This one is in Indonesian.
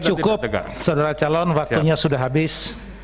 cukup saudara calon waktunya sudah habis